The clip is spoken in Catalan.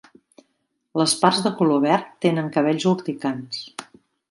Les parts de color verd tenen cabells urticants.